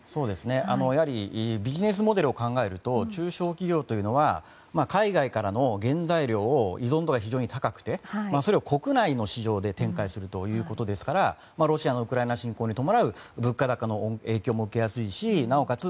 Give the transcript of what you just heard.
やはりビジネスモデルを考えると中小企業というのは海外からの原材料の依存度が非常に高くてそれを国内の市場で展開するということですからロシアのウクライナ侵攻に伴う物価高の影響も受けやすいしなおかつ